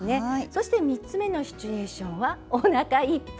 そして３つ目のシチュエーションはおなかいっぱい食べたいとき。